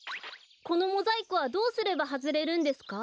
このモザイクはどうすればはずれるんですか？